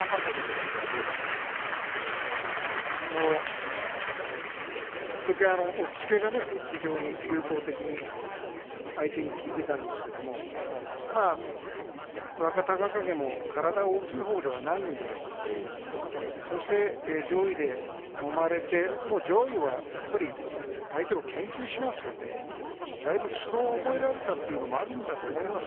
いっとき、押っつけが非常に有効的相手に効いていたんですけれども若隆景も体は大きいほうではないのでそして上位でもまれてもう上位が相手を研究しますのでだいぶ相撲を覚えられたというのもあるんだと思います。